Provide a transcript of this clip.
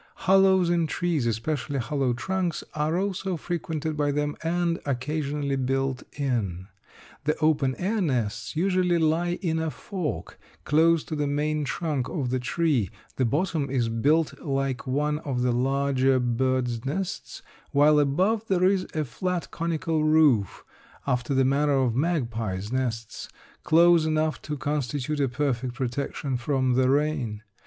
Hollows in trees, especially hollow trunks, are also frequented by them and occasionally built in. The open air nests usually lie in a fork, close to the main trunk of the tree; the bottom is built like one of the larger bird's nests, while above there is a flat conical roof, after the manner of magpies' nests, close enough to constitute a perfect protection from the rain.